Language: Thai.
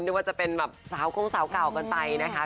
ไม่ว่าจะเป็นแบบสาวคงสาวเก่ากันไปนะคะ